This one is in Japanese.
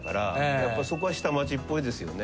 やっぱりそこは下町っぽいですよね。